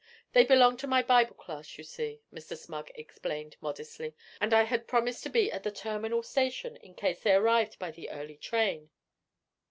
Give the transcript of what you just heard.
They belong to my Bible class, you see,' Mr. Smug explained modestly; 'and I had promised to be at the Terminal Station in case they arrived by the early train.'